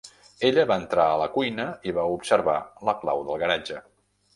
Ella va entrar a la cuina i va observar la clau del garatge.